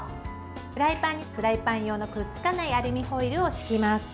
フライパンにフライパン用のくっつかないアルミホイルを敷きます。